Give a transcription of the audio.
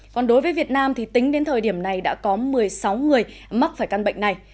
còn đối với việt nam thì tính đến thời điểm này đã có một mươi sáu người mắc phải căn bệnh này